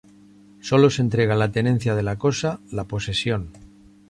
Sólo se entrega la tenencia de la cosa, la posesión.